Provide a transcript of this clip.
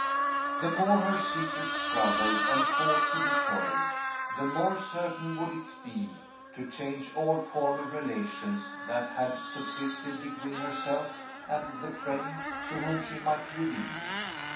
The more her secret struggled and fought to be told, the more certain would it be to change all former relations that had subsisted between herself and the friend to whom she might reveal it.